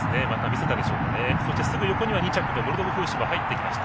そして、すぐ横には２着のボルドグフーシュも入ってきました。